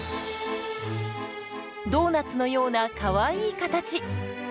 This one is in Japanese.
ドーナツのようなかわいい形。